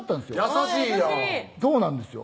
優しいやんそうなんですよ